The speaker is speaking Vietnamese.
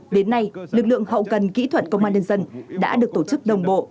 đến nay lực lượng hậu cần kỹ thuật công an nhân dân đã được tổ chức đồng bộ